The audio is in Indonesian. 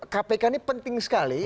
kpk ini penting sekali